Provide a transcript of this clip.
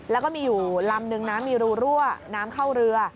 แล้วก็มีอยู่ลำนึงนะมีรูรั่วน้ำเข้าเรือ